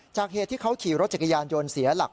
เหตุที่เขาขี่รถจักรยานยนต์เสียหลัก